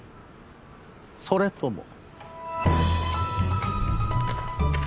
それとも。